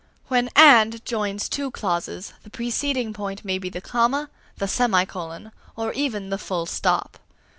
When "and" joins two clauses, the preceding point may be the comma, the semicolon, or even the full stop.